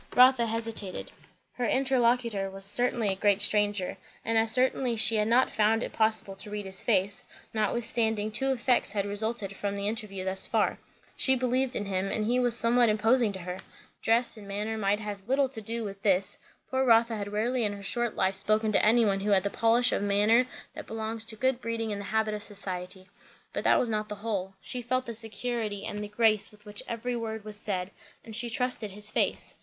Rotha hesitated. Her interlocutor was certainly a great stranger; and as certainly she had not found it possible to read his face; notwithstanding, two effects had resulted from the interview thus far; she believed in him, and he was somewhat imposing to her. Dress and manner might have a little to do with this; poor Rotha had rarely in her short life spoken to any one who had the polish of manner that belongs to good breeding and the habit of society; but that was not the whole. She felt the security and the grace with which every word was said, and she trusted his face.